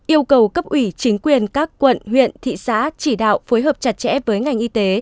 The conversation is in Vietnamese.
yêu cầu cấp ủy chính quyền các quận huyện thị xã chỉ đạo phối hợp chặt chẽ với ngành y tế